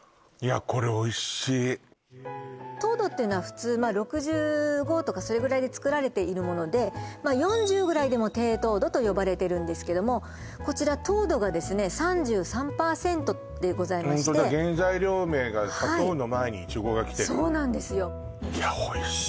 糖度っていうのは普通まあ６５とかそれぐらいで作られているものでまあ４０ぐらいでも低糖度と呼ばれてるんですけどもこちら糖度がですね３３％でございましてホントだ原材料名が砂糖の前にイチゴがきてるそうなんですよ